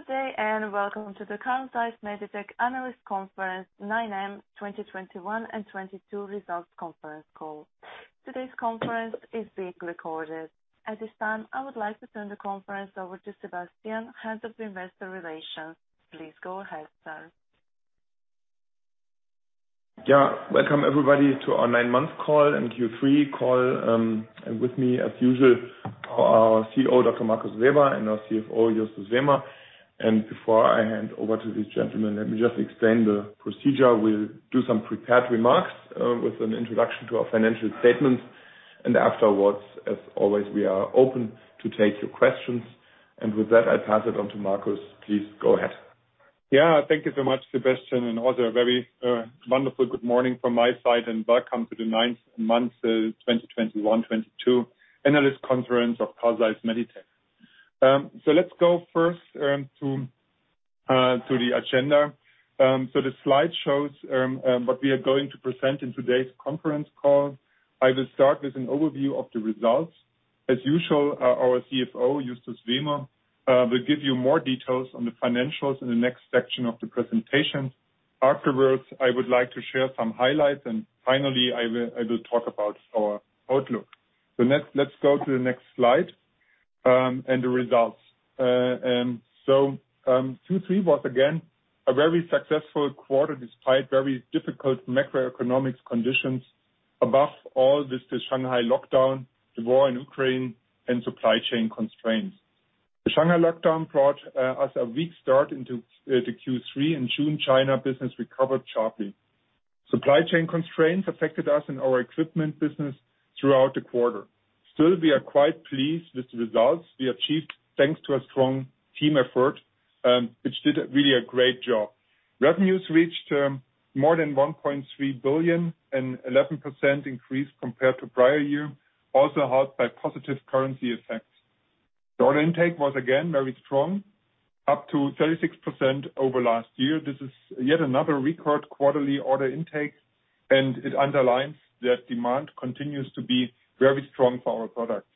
Good day and welcome to the Carl Zeiss Meditec Analyst Conference 9M2021/22 Results Conference Call. Today's conference is being recorded. At this time, I would like to turn the conference over to Sebastian, Head of Investor Relations. Please go ahead, sir. Yeah. Welcome everybody to our nine-month call and Q3 call. With me, as usual, are our CEO, Dr. Markus Weber, and our CFO, Justus Wehmer. Before I hand over to these gentlemen, let me just explain the procedure. We'll do some prepared remarks, with an introduction to our financial statements, and afterwards, as always, we are open to take your questions. With that, I pass it on to Markus. Please go ahead. Yeah. Thank you so much, Sebastian, and also a very wonderful good morning from my side, and welcome to the nine months 2021/2022 analyst conference of Carl Zeiss Meditec. Let's go first to the agenda. The slide shows what we are going to present in today's conference call. I will start with an overview of the results. As usual, our CFO, Justus Wehmer, will give you more details on the financials in the next section of the presentation. Afterwards, I would like to share some highlights, and finally I will talk about our outlook. Let's go to the next slide and the results. Q3 was again a very successful quarter despite very difficult macroeconomic conditions. Above all, this is Shanghai lockdown, the war in Ukraine, and supply chain constraints. The Shanghai lockdown brought us a weak start into the Q3. In June, China business recovered sharply. Supply chain constraints affected us in our equipment business throughout the quarter. Still, we are quite pleased with the results we achieved thanks to a strong team effort, which did really a great job. Revenues reached more than 1.3 billion, an 11% increase compared to prior year, also helped by positive currency effects. The order intake was again very strong, up to 36% over last year. This is yet another record quarterly order intake, and it underlines that demand continues to be very strong for our products.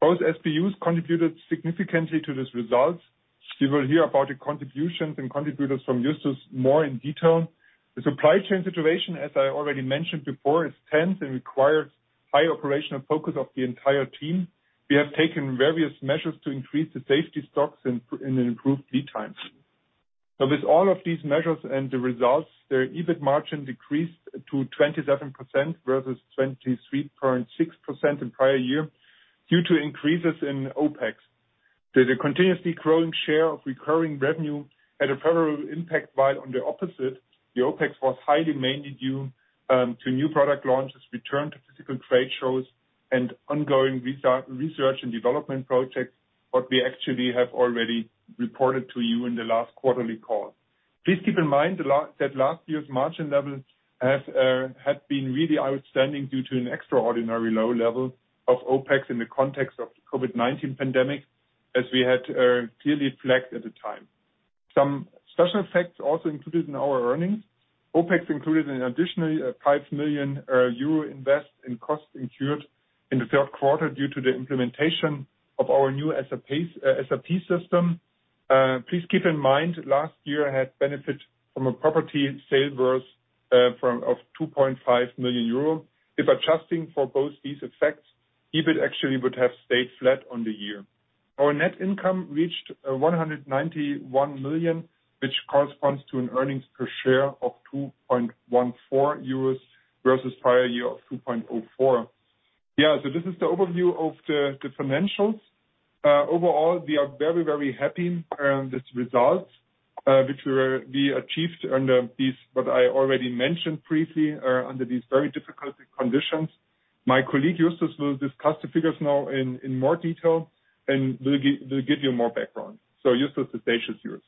Both SPUs contributed significantly to these results. You will hear about the contributions and contributors from Justus more in detail. The supply chain situation, as I already mentioned before, is tense and requires high operational focus of the entire team. We have taken various measures to increase the safety stocks and improve lead times. With all of these measures and the results, their EBIT margin decreased to 27% versus 23.6% in prior year due to increases in OpEx. The continuously growing share of recurring revenue had a favorable impact, while on the opposite, the OpEx was primarily due to new product launches, return to physical trade shows and ongoing research and development projects that we actually have already reported to you in the last quarterly call. Please keep in mind that last year's margin levels have had been really outstanding due to an extraordinary low level of OpEx in the context of the COVID-19 pandemic, as we had clearly flagged at the time. Some special effects also included in our earnings. OpEx included an additional 5 million euro investment costs incurred in the third quarter due to the implementation of our new SAP system. Please keep in mind, last year had benefit from a property sale worth of 2.5 million euro. If adjusting for both these effects, EBIT actually would have stayed flat on the year. Our net income reached 191 million, which corresponds to an earnings per share of 2.14 euros versus prior year of 2.04. This is the overview of the financials. Overall, we are very happy with results which we achieved under these what I already mentioned briefly under these very difficult conditions. My colleague, Justus, will discuss the figures now in more detail and will give you more background. Justus, the stage is yours.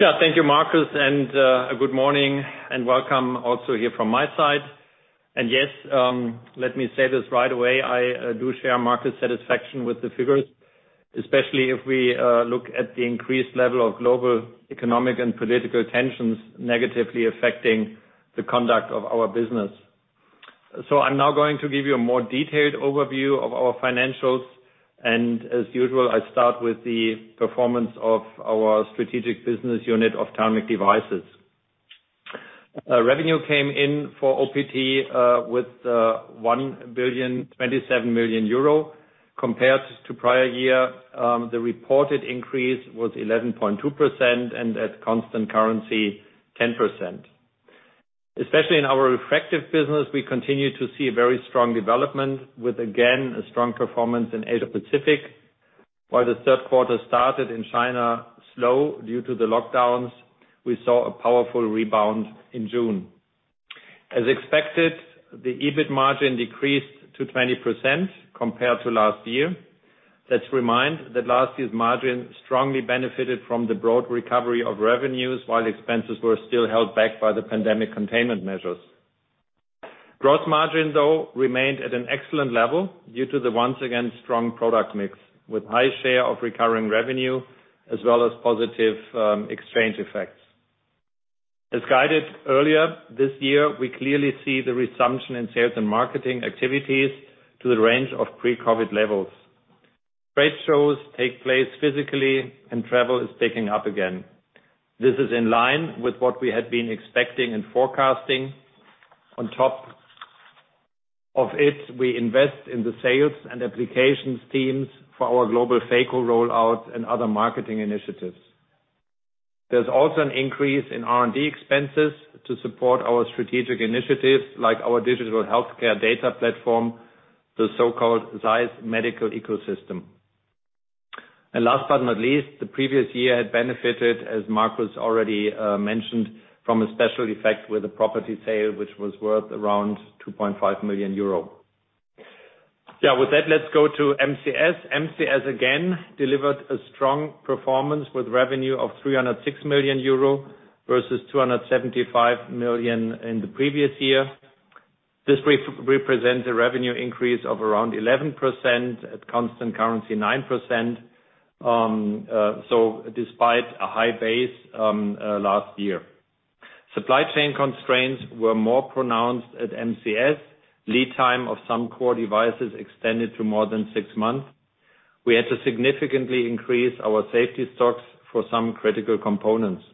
Yeah. Thank you, Markus, and good morning and welcome also here from my side. Yes, let me say this right away, I do share Markus' satisfaction with the figures, especially if we look at the increased level of global economic and political tensions negatively affecting the conduct of our business. I'm now going to give you a more detailed overview of our financials, and as usual, I start with the performance of our strategic business unit, Ophthalmic Devices. Revenue came in for OPT with 1,027 million euro. Compared to prior year, the reported increase was 11.2%, and at constant currency, 10%. Especially in our refractive business, we continue to see very strong development with, again, a strong performance in Asia Pacific. While the third quarter started in China slow due to the lockdowns, we saw a powerful rebound in June. As expected, the EBIT margin decreased to 20% compared to last year. Let's remind that last year's margin strongly benefited from the broad recovery of revenues while expenses were still held back by the pandemic containment measures. Gross margin, though, remained at an excellent level due to the once again strong product mix, with high share of recurring revenue as well as positive exchange effects. As guided earlier this year, we clearly see the resumption in sales and marketing activities to the range of pre-COVID levels. Trade shows take place physically, and travel is picking up again. This is in line with what we had been expecting and forecasting. On top of it, we invest in the sales and applications teams for our global Phaco rollout and other marketing initiatives. There's also an increase in R&D expenses to support our strategic initiatives, like our digital healthcare data platform, the so-called ZEISS Medical Ecosystem. Last but not least, the previous year had benefited, as Markus already mentioned, from a special effect with a property sale, which was worth around 2.5 million euro. Yeah, with that, let's go to MCS. MCS, again, delivered a strong performance with revenue of 306 million euro, versus 275 million in the previous year. This represents a revenue increase of around 11%, at constant currency, 9%, so despite a high base last year. Supply chain constraints were more pronounced at MCS. Lead time of some core devices extended to more than six months. We had to significantly increase our safety stocks for some critical components.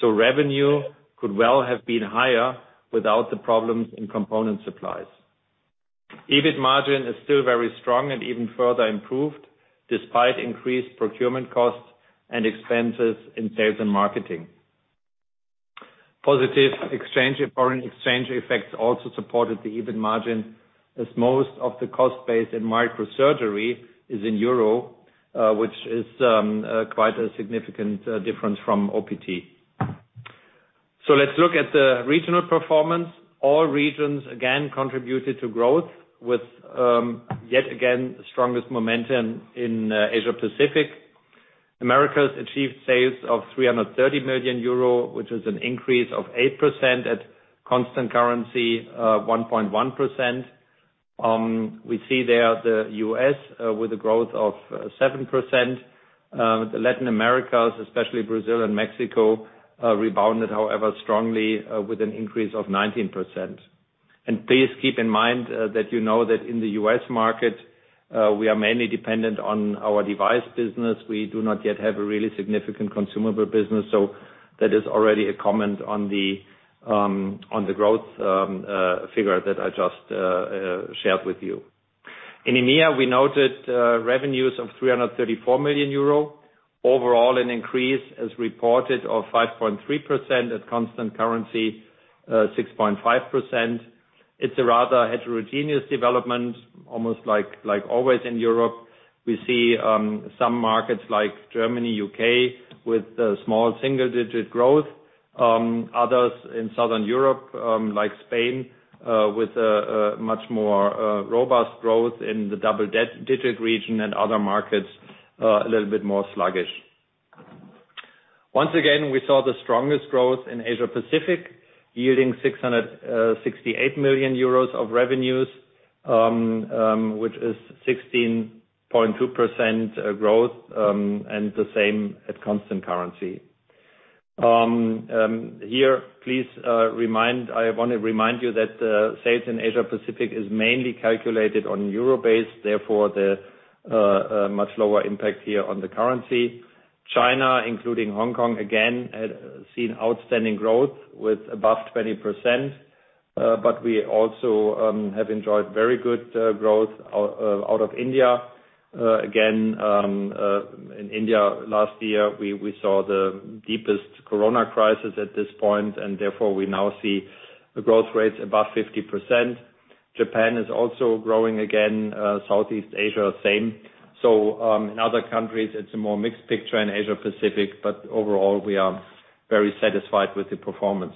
Revenue could well have been higher without the problems in component supplies. EBIT margin is still very strong and even further improved despite increased procurement costs and expenses in sales and marketing. Positive foreign exchange effects also supported the EBIT margin, as most of the cost base in microsurgery is in euro, which is quite a significant difference from OPT. Let's look at the regional performance. All regions, again, contributed to growth with, yet again, the strongest momentum in Asia Pacific. Americas achieved sales of 330 million euro, which is an increase of 8%, at constant currency, 1.1%. We see there the U.S. with a growth of 7%. The Latin America, especially Brazil and Mexico, rebounded, however, strongly with an increase of 19%. Please keep in mind that you know that in the U.S. market we are mainly dependent on our device business. We do not yet have a really significant consumable business, so that is already a comment on the growth figure that I just shared with you. In EMEA, we noted revenues of 334 million euro. Overall, an increase as reported of 5.3%, at constant currency, 6.5%. It's a rather heterogeneous development, almost like always in Europe. We see some markets like Germany, U.K. with small single-digit growth. Others in Southern Europe, like Spain, with a much more robust growth in the double-digit region and other markets, a little bit more sluggish. Once again, we saw the strongest growth in Asia Pacific, yielding 668 million euros of revenues, which is 16.2% growth, and the same at constant currency. Here, please, I wanna remind you that sales in Asia Pacific is mainly calculated on euro base, therefore the much lower impact here on the currency. China, including Hong Kong, again, seen outstanding growth with above 20%. We also have enjoyed very good growth out of India. Again, in India last year, we saw the deepest corona crisis at this point, and therefore we now see the growth rates above 50%. Japan is also growing again, Southeast Asia, same. In other countries, it's a more mixed picture in Asia Pacific, but overall, we are very satisfied with the performance.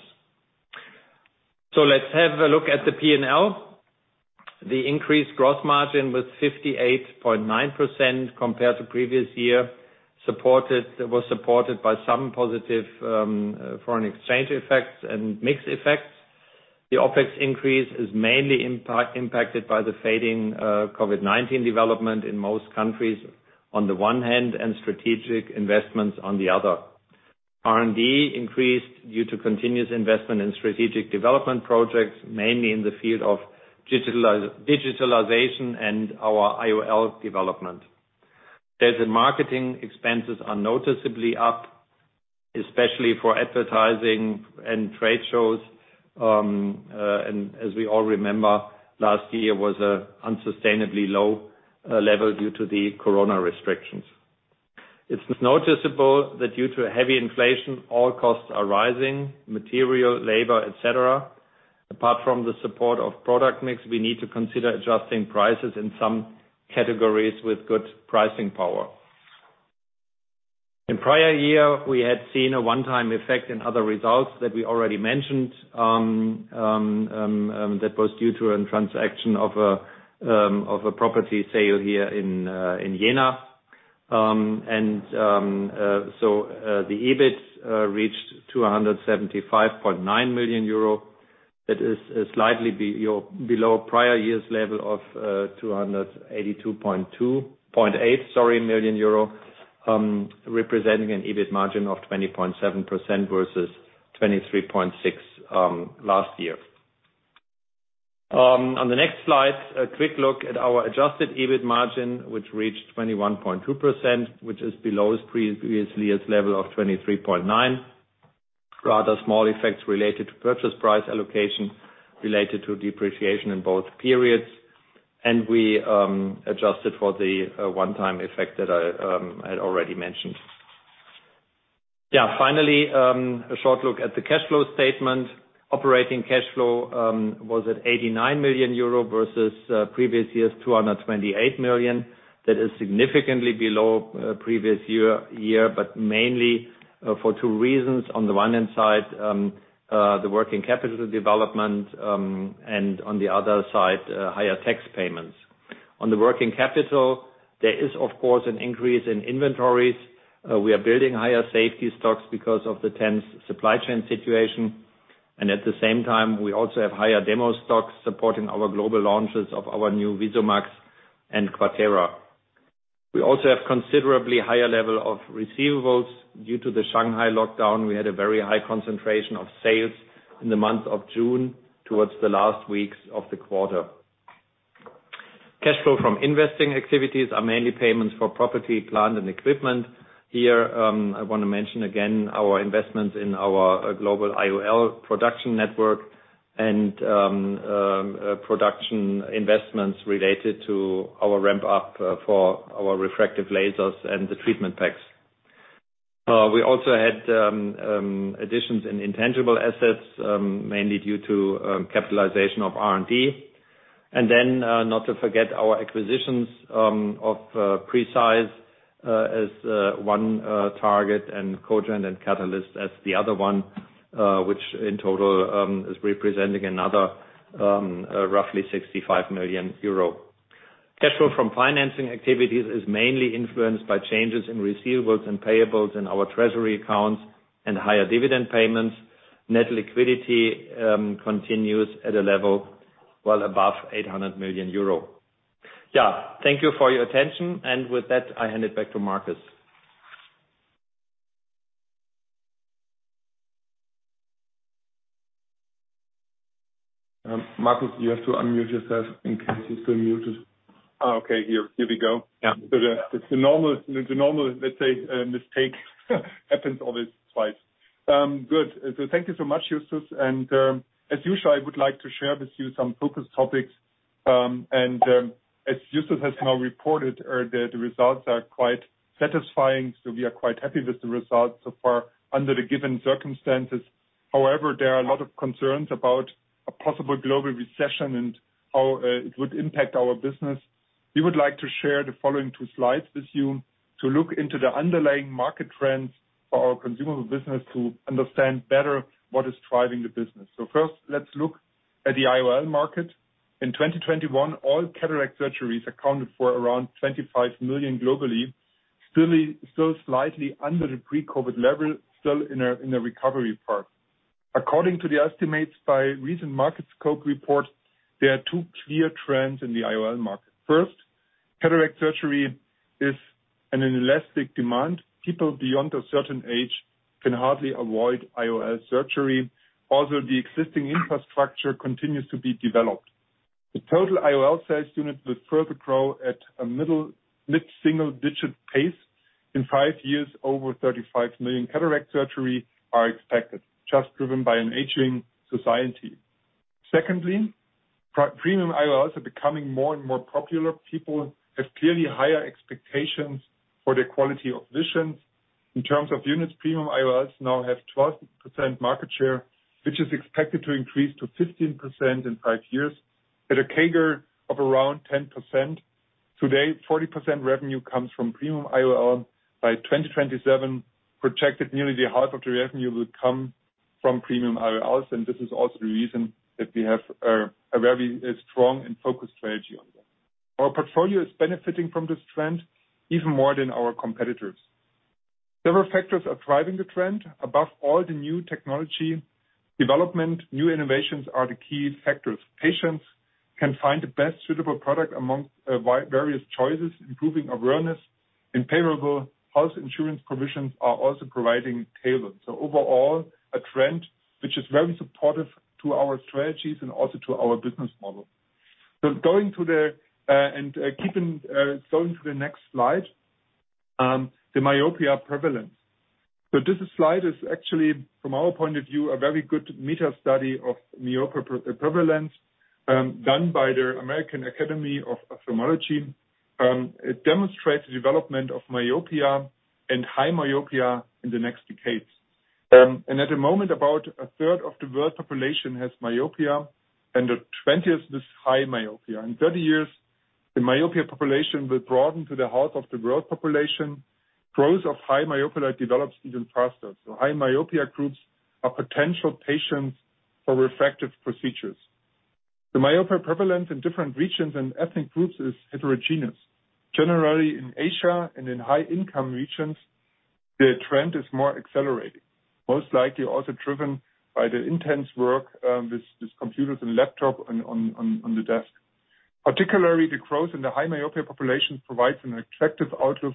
Let's have a look at the P&L. The increased gross margin was 58.9% compared to previous year, supported by some positive foreign exchange effects and mixed effects. The OpEx increase is mainly impacted by the fading COVID-19 development in most countries on the one hand, and strategic investments on the other. R&D increased due to continuous investment in strategic development projects, mainly in the field of digitalization and our IOL development. Data and marketing expenses are noticeably up, especially for advertising and trade shows, and as we all remember, last year was an unsustainably low level due to the corona restrictions. It's noticeable that due to heavy inflation, all costs are rising, material, labor, et cetera. Apart from the support of product mix, we need to consider adjusting prices in some categories with good pricing power. In prior year, we had seen a one-time effect in other results that we already mentioned, that was due to a transaction of a property sale here in Jena. The EBIT reached 275.9 million euro. That is slightly below prior year's level of 282.8 million euro, representing an EBIT margin of 20.7% versus 23.6% last year. On the next slide, a quick look at our adjusted EBIT margin, which reached 21.2%, which is below its previous year's level of 23.9%. Rather small effects related to purchase price allocation related to depreciation in both periods. We adjusted for the one-time effect that I had already mentioned. Finally, a short look at the cash flow statement. Operating cash flow was at 89 million euro versus previous year's 228 million. That is significantly below previous year, but mainly for two reasons. On the one hand, the working capital development, and on the other hand, higher tax payments. On the working capital, there is of course an increase in inventories. We are building higher safety stocks because of the tense supply chain situation. At the same time, we also have higher demo stocks supporting our global launches of our new VisuMax and QUATERA. We also have considerably higher level of receivables. Due to the Shanghai lockdown, we had a very high concentration of sales in the month of June towards the last weeks of the quarter. Cash flow from investing activities are mainly payments for property, plant, and equipment. Here, I wanna mention again our investments in our global IOL production network and production investments related to our ramp up for our refractive lasers and the treatment packs. We also had additions in intangible assets mainly due to capitalization of R&D. Then, not to forget our acquisitions of Preceyes as one target and Kogent and Katalyst as the other one, which in total is representing another roughly 65 million euro. Cash flow from financing activities is mainly influenced by changes in receivables and payables in our treasury accounts and higher dividend payments. Net liquidity continues at a level well above 800 million euro. Yeah. Thank you for your attention. With that, I hand it back to Markus. Markus, you have to unmute yourself in case you still muted. Oh, okay. Here we go. Yeah. It's the normal, let's say, mistake. It happens always twice. Good. Thank you so much, Justus. As usual, I would like to share with you some focus topics. As Justus has now reported, the results are quite satisfying, so we are quite happy with the results so far under the given circumstances. However, there are a lot of concerns about a possible global recession and how it would impact our business. We would like to share the following two slides with you to look into the underlying market trends for our consumable business to understand better what is driving the business. First, let's look at the IOL market. In 2021, all cataract surgeries accounted for around 25 million globally, still slightly under the pre-COVID level, still in a recovery path. According to the estimates by recent MarketScope report, there are two clear trends in the IOL market. First, cataract surgery is an inelastic demand. People beyond a certain age can hardly avoid IOL surgery. Also, the existing infrastructure continues to be developed. The total IOL sales unit will further grow at a mid-single digit pace. In five years, over 35 million cataract surgery are expected, just driven by an aging society. Secondly, premium IOLs are becoming more and more popular. People have clearly higher expectations for their quality of vision. In terms of units, premium IOLs now have 12% market share, which is expected to increase to 15% in five years at a CAGR of around 10%. Today, 40% revenue comes from premium IOL. By 2027, projected nearly half of the revenue will come from premium IOLs, and this is also the reason that we have a very strong and focused strategy on them. Our portfolio is benefiting from this trend even more than our competitors. Several factors are driving the trend. Above all, the new technology development, new innovations are the key factors. Patients can find the best suitable product among various choices, improving awareness. Private health insurance provisions are also providing tailored. Overall, a trend which is very supportive to our strategies and also to our business model. Going to the next slide, the myopia prevalence. This slide is actually, from our point of view, a very good meta study of myopia prevalence, done by the American Academy of Ophthalmology. It demonstrates the development of myopia and high myopia in the next decades. At the moment, about a third of the world population has myopia, and a twentieth is high myopia. In 30 years, the myopia population will broaden to half of the world population. Growth of high myopia develops even faster, so high myopia groups are potential patients for refractive procedures. The myopia prevalence in different regions and ethnic groups is heterogeneous. Generally, in Asia and in high income regions, the trend is more accelerating, most likely also driven by the intense work with computers and laptop on the desk. Particularly, the growth in the high myopia population provides an attractive outlook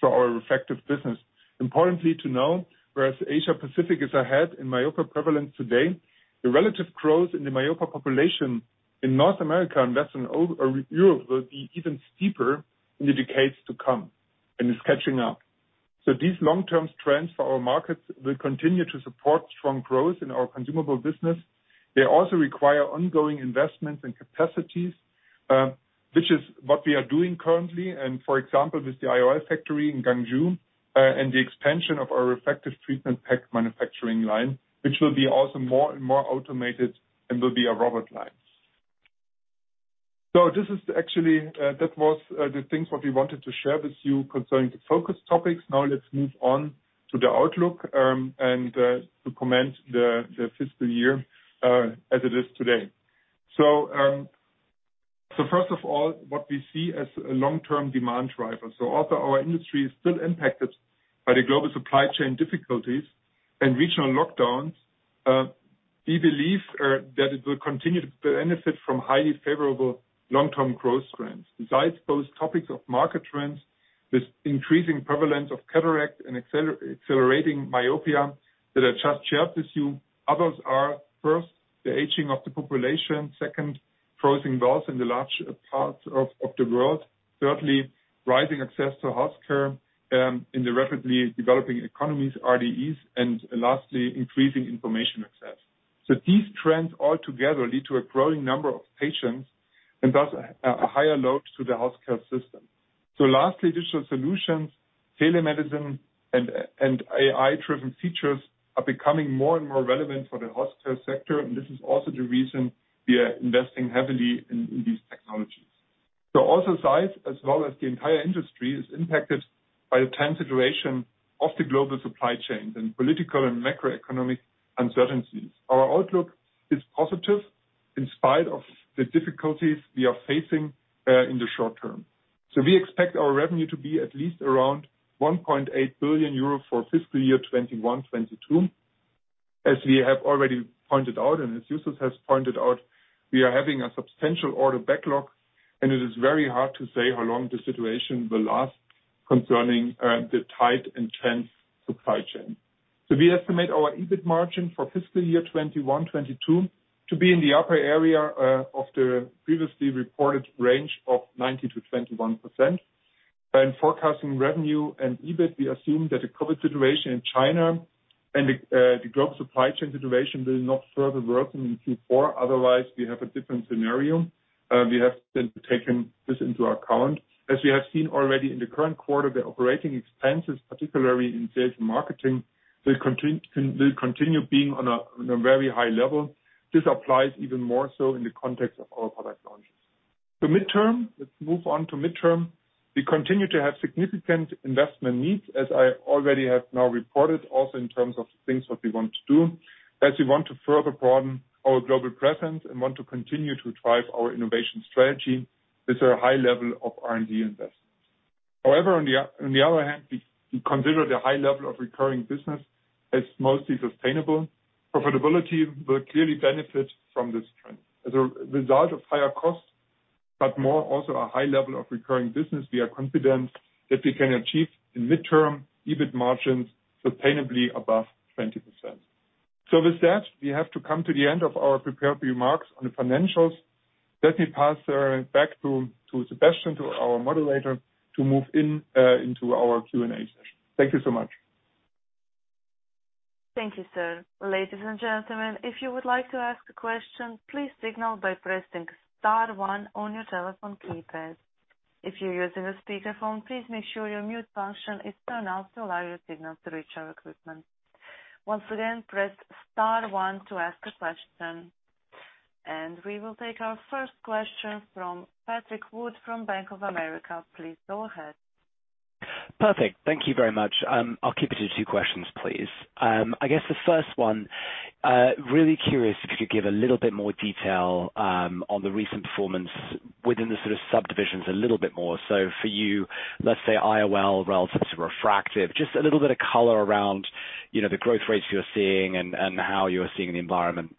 for our refractive business. Importantly to know, whereas Asia Pacific is ahead in myopia prevalence today, the relative growth in the myopia population in North America and Western Europe will be even steeper in the decades to come, and it's catching up. These long-term trends for our markets will continue to support strong growth in our consumable business. They also require ongoing investments and capacities, which is what we are doing currently, and for example, with the IOL factory in Guangzhou, and the expansion of our effective treatment pack manufacturing line, which will be also more and more automated and will be a robot line. That was the things what we wanted to share with you concerning the focus topics. Now let's move on to the outlook, and to comment the fiscal year as it is today. First of all, what we see as a long-term demand driver. Although our industry is still impacted by the global supply chain difficulties and regional lockdowns, we believe that it will continue to benefit from highly favorable long-term growth trends. Besides those topics of market trends, this increasing prevalence of cataract and accelerating myopia that I just shared with you, others are, first, the aging of the population. Second, foreseen growth in the large parts of the world. Thirdly, rising access to healthcare in the rapidly developing economies, RDEs. Lastly, increasing information access. These trends altogether lead to a growing number of patients and thus a higher load to the healthcare system. Lastly, digital solutions, telemedicine and AI-driven features are becoming more and more relevant for the healthcare sector, and this is also the reason we are investing heavily in these technologies. Also ZEISS, as well as the entire industry, is impacted by the current situation of the global supply chains and political and macroeconomic uncertainties. Our outlook is positive in spite of the difficulties we are facing in the short term. We expect our revenue to be at least around 1.8 billion euro for fiscal year 2021-2022. As we have already pointed out, and as Justus has pointed out, we are having a substantial order backlog, and it is very hard to say how long the situation will last concerning the tight and tense supply chain. We estimate our EBIT margin for fiscal year 2021-2022 to be in the upper area of the previously reported range of 19%-21%. In forecasting revenue and EBIT, we assume that the COVID situation in China and the global supply chain situation will not further worsen in Q4, otherwise we have a different scenario. We have since taken this into account. As we have seen already in the current quarter, the operating expenses, particularly in sales and marketing, will continue being on a very high level. This applies even more so in the context of our product launches. The midterm. Let's move on to midterm. We continue to have significant investment needs, as I already have now reported, also in terms of things that we want to do, as we want to further broaden our global presence and want to continue to drive our innovation strategy with a high level of R&D investments. However, on the other hand, we consider the high level of recurring business as mostly sustainable. Profitability will clearly benefit from this trend. As a result of higher costs, but more also a high level of recurring business, we are confident that we can achieve in midterm EBIT margins sustainably above 20%. With that, we have to come to the end of our prepared remarks on the financials. Let me pass back to Sebastian, to our moderator, to move into our Q&A session. Thank you so much. Thank you, sir. Ladies and gentlemen, if you would like to ask a question, please signal by pressing star one on your telephone keypads. If you're using a speakerphone, please make sure your mute function is turned off to allow your signal to reach our equipment. Once again, press star one to ask a question. We will take our first question from Patrick Wood from Bank of America. Please go ahead. Perfect. Thank you very much. I'll keep it to two questions, please. I guess the first one, really curious if you could give a little bit more detail, on the recent performance within the sort of subdivisions a little bit more. For you, let's say IOL relative to refractive, just a little bit of color around, you know, the growth rates you're seeing and how you're seeing the environment,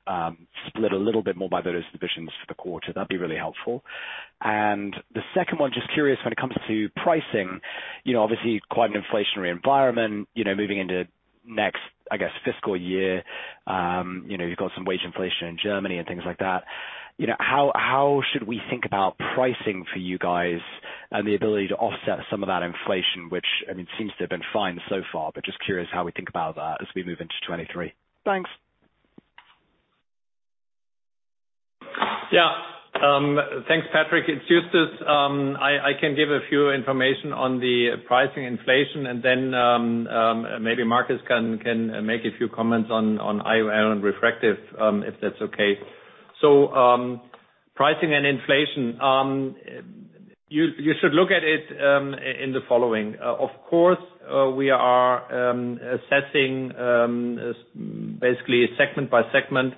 split a little bit more by those divisions for the quarter. That'd be really helpful. The second one, just curious when it comes to pricing, you know, obviously quite an inflationary environment, you know, moving into next, I guess, fiscal year. You know, you've got some wage inflation in Germany and things like that. You know, how should we think about pricing for you guys and the ability to offset some of that inflation, which, I mean, seems to have been fine so far, but just curious how we think about that as we move into 2023. Thanks. Yeah. Thanks, Patrick. It's Justus. I can give a few information on the pricing inflation and then, maybe Markus can make a few comments on IOL and refractive, if that's okay. Pricing and inflation. You should look at it in the following. Of course, we are assessing basically segment by segment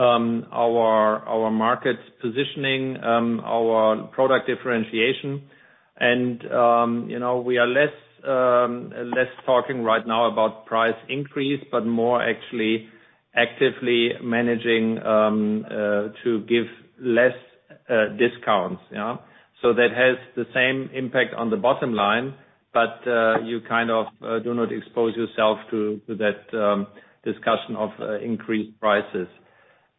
our market positioning, our product differentiation and, you know, we are less talking right now about price increase, but more actually actively managing to give less discounts, yeah. That has the same impact on the bottom line, but you kind of do not expose yourself to that discussion of increased prices.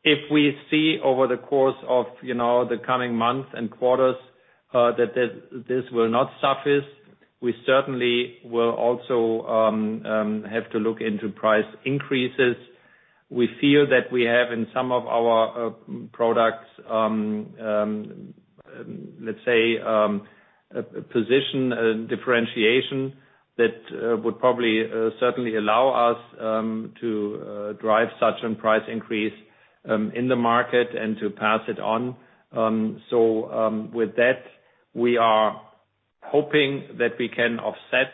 If we see over the course of, you know, the coming months and quarters, that this will not suffice, we certainly will also have to look into price increases. We feel that we have in some of our products, let's say, a position differentiation that would probably certainly allow us to drive such a price increase in the market and to pass it on. With that, we are hoping that we can offset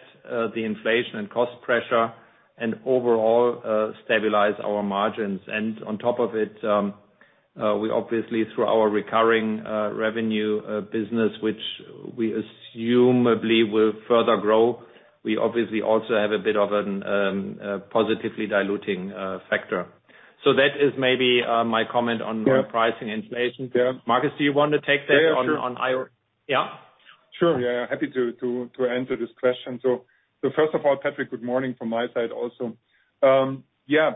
the inflation and cost pressure and overall stabilize our margins. On top of it, we obviously, through our recurring revenue business, which we presumably will further grow, we obviously also have a bit of a positively diluting factor. That is maybe my comment on pricing inflation. Yeah. Markus, do you want to take that on IOL? Yeah. Sure. Yeah. Happy to answer this question. First of all, Patrick, good morning from my side also. Yeah.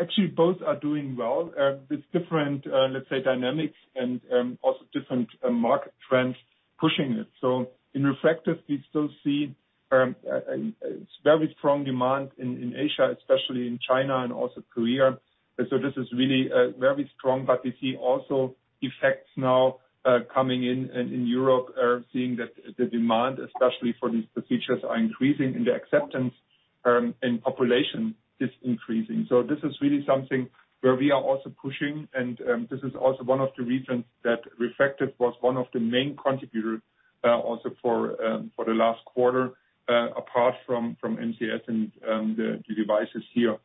Actually both are doing well. There's different, let's say dynamics and also different market trends pushing it. In Refractive, we still see a very strong demand in Asia, especially in China and also Korea. This is really very strong. But we see also effects now coming in. In Europe, we're seeing that the demand, especially for these procedures, is increasing and the acceptance in population is increasing. This is really something where we are also pushing, and this is also one of the reasons that Refractive was one of the main contributors, also for the last quarter, apart from MCS and the devices here.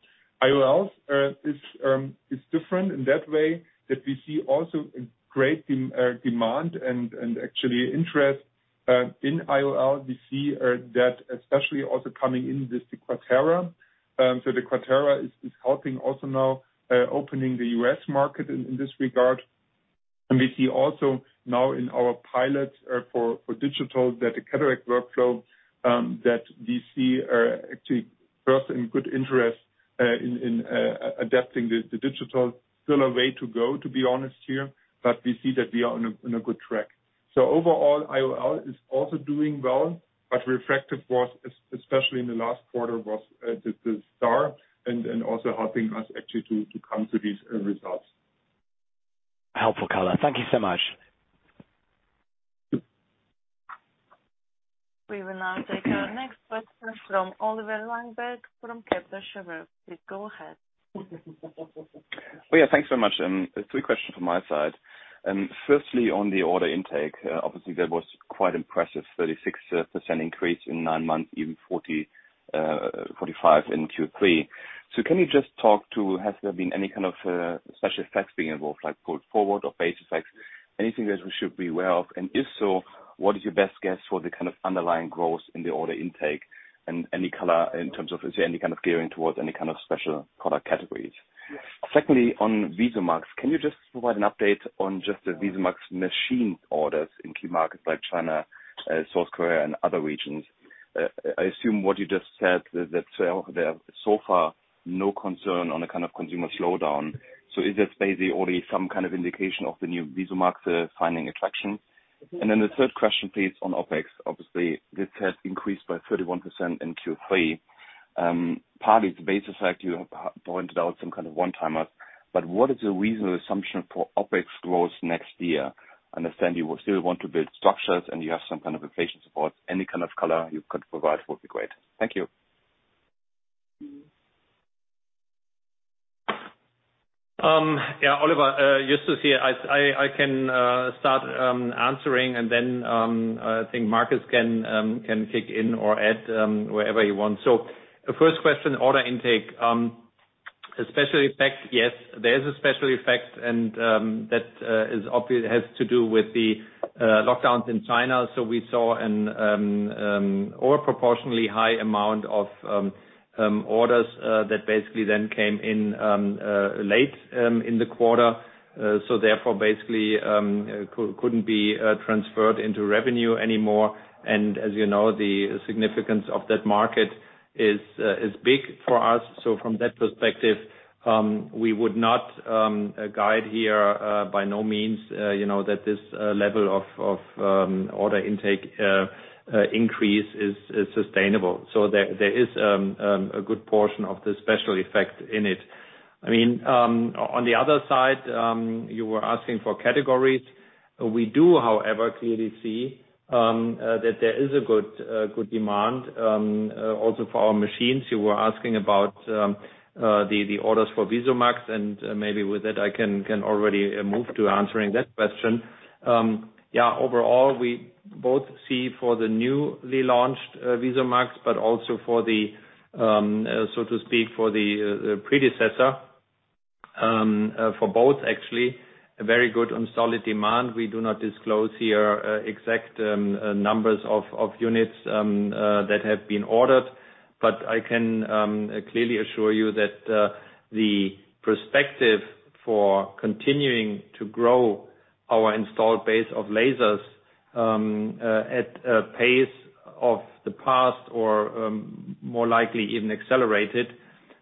IOL is different in that way that we see also a great demand and actually interest in IOL. We see that especially also coming in this, the QUATERA. The QUATERA is helping also now opening the U.S. market in this regard. We see also now in our pilots for digital that the cataract workflow that we see actually first in good interest in adapting the digital. Still a way to go, to be honest here, but we see that we are on a good track. Overall, IOL is also doing well, but Refractive was especially in the last quarter the star and also helping us actually to come to these results. Helpful color. Thank you so much. We will now take our next question from Oliver Reinberg from Kepler Cheuvreux. Please go ahead. Oh, yeah, thanks very much. Three questions from my side. Firstly, on the order intake, obviously that was quite impressive, 36% increase in 9 months, even 45% in Q3. Can you just talk to has there been any kind of special effects being involved, like pulled forward or base effects, anything that we should be aware of? And if so, what is your best guess for the kind of underlying growth in the order intake and any color in terms of is there any kind of gearing towards any kind of special product categories? Yes. Secondly, on VisuMax, can you just provide an update on just the VisuMax machine orders in key markets like China, South Korea and other regions? I assume what you just said, that so far there's no concern on the kind of consumer slowdown. Is that basically already some kind of indication of the new VisuMax finding attraction? The third question please, on OpEx. Obviously, this has increased by 31% in Q3. Partly it's the base effect you have pointed out some kind of one-timers, but what is a reasonable assumption for OpEx growth next year? I understand you will still want to build structures and you have some kind of inflation support. Any kind of color you could provide would be great. Thank you. Yeah, Oliver, Justus here. I can start answering and then I think Markus can kick in or add wherever he wants. The first question, order intake. A special effect, yes, there is a special effect and that is obvious, has to do with the lockdowns in China. We saw an over proportionally high amount of orders that basically then came in late in the quarter. Therefore basically couldn't be transferred into revenue anymore. As you know, the significance of that market is big for us. From that perspective, we would not guide here, by no means, you know, that this level of order intake increase is sustainable. There is a good portion of the special effect in it. I mean, on the other side, you were asking for categories. We do, however, clearly see that there is a good demand also for our machines. You were asking about the orders for VisuMax, and maybe with that I can already move to answering that question. Yeah, overall, we both see for the newly launched VisuMax, but also for the, so to speak, for the predecessor, for both actually, a very good and solid demand. We do not disclose here exact numbers of units that have been ordered. I can clearly assure you that the perspective for continuing to grow our installed base of lasers at a pace of the past or more likely even accelerated,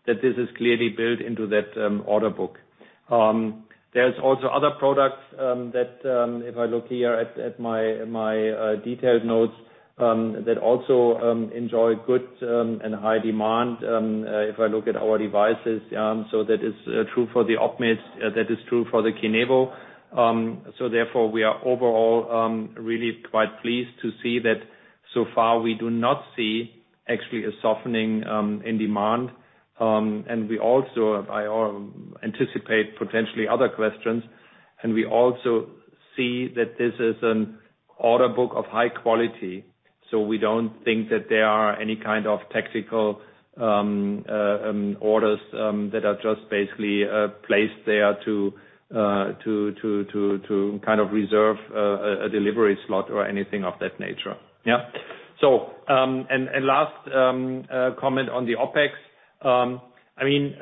that this is clearly built into that order book. There's also other products that if I look here at my detailed notes that also enjoy good and high demand if I look at our devices, so that is true for the Ophthalmic Devices, that is true for the KINEVO. Therefore, we are overall really quite pleased to see that so far, we do not see actually a softening in demand. We also anticipate potentially other questions, and we also see that this is an order book of high quality. We don't think that there are any kind of tactical orders that are just basically placed there to kind of reserve a delivery slot or anything of that nature. Yeah. Last comment on the OpEx, I mean,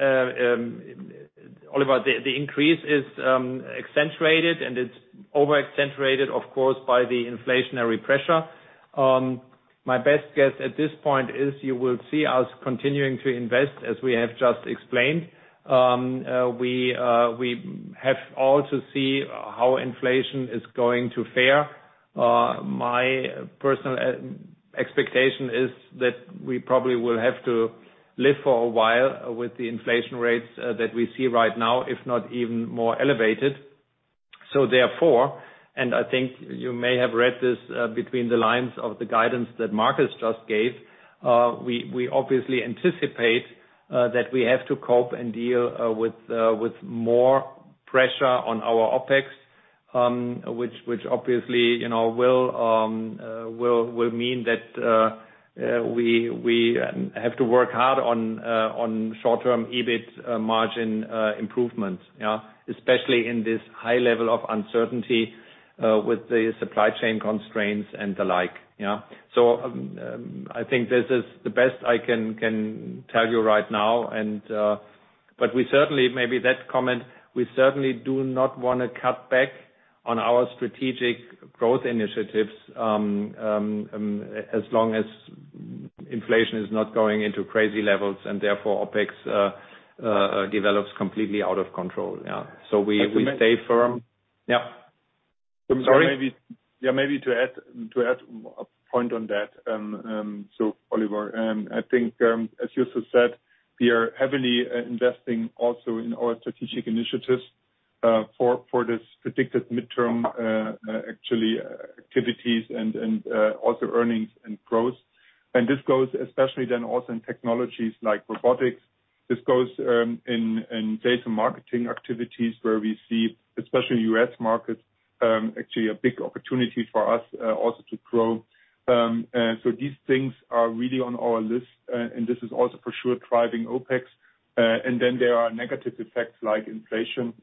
Oliver, the increase is accentuated and it's over accentuated, of course, by the inflationary pressure. My best guess at this point is you will see us continuing to invest, as we have just explained. We'll have to see how inflation is going to fare. My personal expectation is that we probably will have to live for a while with the inflation rates that we see right now, if not even more elevated. I think you may have read this between the lines of the guidance that Markus just gave. We obviously anticipate that we have to cope and deal with more pressure on our OpEx, which obviously, you know, will mean that we have to work hard on short term EBIT margin improvements. Yeah. Especially in this high level of uncertainty with the supply chain constraints and the like. Yeah. I think this is the best I can tell you right now. We certainly do not wanna cut back on our strategic growth initiatives, as long as inflation is not going into crazy levels, and therefore OpEx develops completely out of control. Yeah. We stay firm. Yeah. Sorry. Maybe, yeah, maybe to add a point on that, so Oliver, I think, as you so said, we are heavily investing also in our strategic initiatives, for this predicted midterm, actually activities and also earnings and growth. This goes especially then also in technologies like robotics. This goes in data marketing activities where we see, especially U.S. markets, actually a big opportunity for us, also to grow. These things are really on our list, and this is also for sure driving OpEx. There are negative effects like inflation,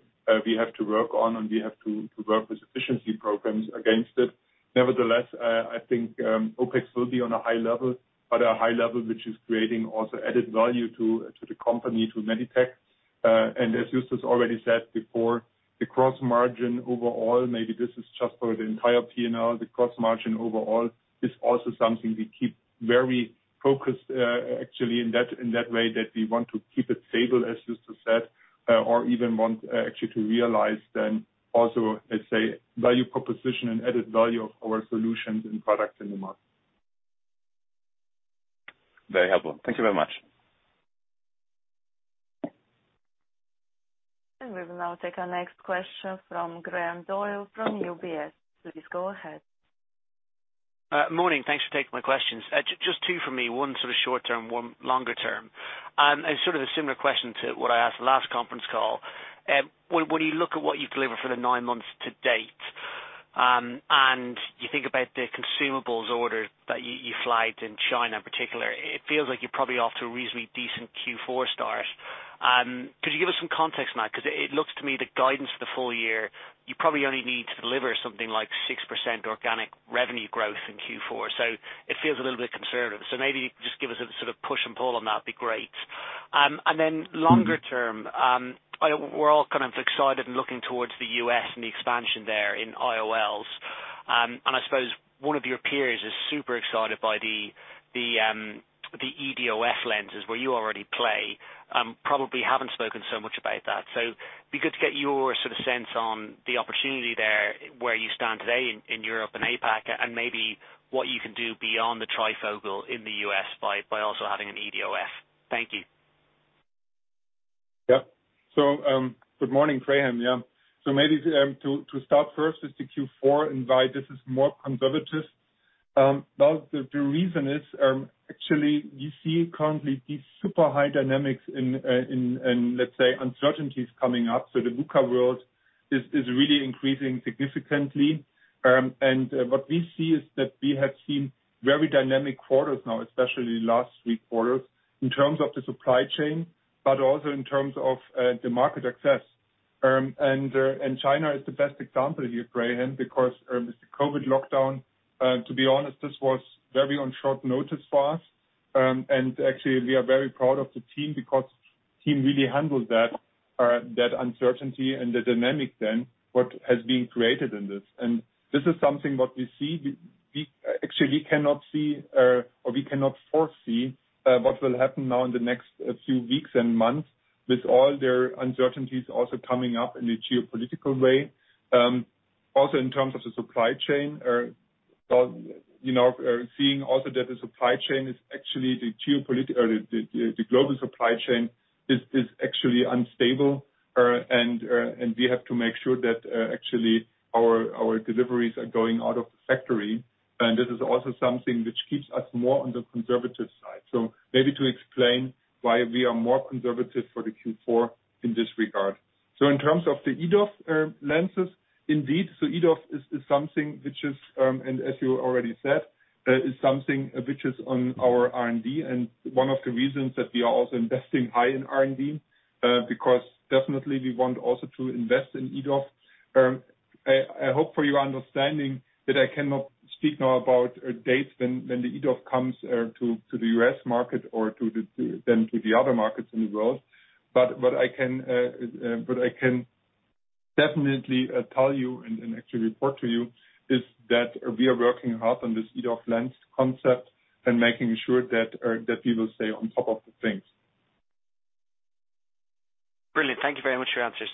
we have to work on, and we have to work with efficiency programs against it. Nevertheless, I think OpEx will be on a high level, but a high level which is creating also added value to the company, to Meditec. As Justus already said before, the gross margin overall, maybe this is just for the entire P&L, the gross margin overall is also something we keep very focused, actually, in that way that we want to keep it stable, as Justus said, or even want actually to realize then also, let's say, value proposition and added value of our solutions and products in the market. Very helpful. Thank you very much. We will now take our next question from Graham Doyle from UBS. Please go ahead. Morning. Thanks for taking my questions. Just two for me, one sort of short term, one longer term. Sort of a similar question to what I asked the last conference call. When you look at what you've delivered for the nine months to date, and you think about the consumables order that you flagged in China in particular, it feels like you're probably off to a reasonably decent Q4 start. Could you give us some context on that? 'Cause it looks to me the guidance for the full year, you probably only need to deliver something like 6% organic revenue growth in Q4. It feels a little bit conservative. Maybe just give us a sort of push and pull on that'd be great. Longer term, I know we're all kind of excited looking towards the U.S. and the expansion there in IOLs. I suppose one of your peers is super excited by the EDOF lenses where you already play, probably haven't spoken so much about that. It'd be good to get your sort of sense on the opportunity there, where you stand today in Europe and APAC, and maybe what you can do beyond the trifocal in the U.S. by also having an EDOF. Thank you. Yeah. Good morning, Graham. Maybe to start first is the Q4 and why this is more conservative. Now the reason is actually you see currently these super high dynamics in in let's say uncertainties coming up. The VUCA world is really increasing significantly. What we see is that we have seen very dynamic quarters now especially last week quarters in terms of the supply chain but also in terms of the market access. China is the best example here Graham because the COVID lockdown to be honest this was very on short notice for us. Actually we are very proud of the team because team really handled that uncertainty and the dynamic then what has been created in this. This is something what we see. We actually cannot see or we cannot foresee what will happen now in the next few weeks and months with all their uncertainties also coming up in the geopolitical way. Also in terms of the supply chain, you know, seeing also that the supply chain is actually the geopolitical or the global supply chain is actually unstable. We have to make sure that actually our deliveries are going out of the factory. This is also something which keeps us more on the conservative side. Maybe to explain why we are more conservative for the Q4 in this regard. In terms of the EDOF lenses, indeed, EDOF is something which is, and as you already said, something which is on our R&D and one of the reasons that we are also investing highly in R&D, because definitely we want also to invest in EDOF. I hope for your understanding that I cannot speak now about dates when the EDOF comes to the U.S. market or then to the other markets in the world. What I can definitely tell you and actually report to you is that we are working hard on this EDOF lens concept and making sure that we will stay on top of the things. Brilliant. Thank you very much for your answers.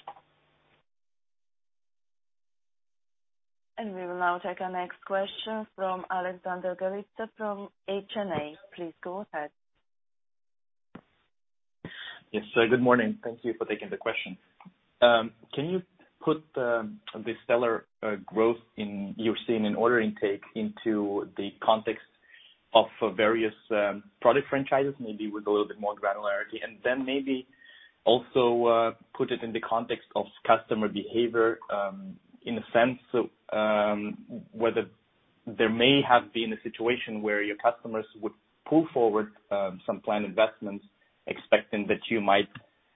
We will now take our next question from Alexander Galitsa from HSBC. Please go ahead. Yes. Good morning. Thank you for taking the question. Can you put the stellar growth you're seeing in order intake into the context of various product franchises, maybe with a little bit more granularity? Then maybe also put it in the context of customer behavior in the sense whether there may have been a situation where your customers would pull forward some planned investments expecting that you might